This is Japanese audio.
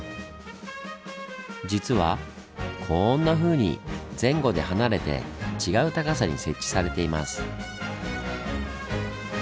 実はこんなふうに前後で離れて違う高さに設置されています。